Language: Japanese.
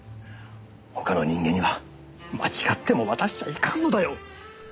他の人間には間違っても渡しちゃいかんのだよ。